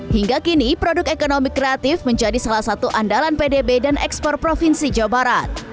hingga kini produk ekonomi kreatif menjadi salah satu andalan pdb dan ekspor provinsi jawa barat